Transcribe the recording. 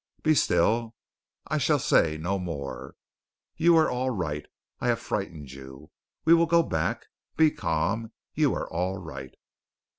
"Be still. I shall say no more. You are all right. I have frightened you. We will go back. Be calm. You are all right."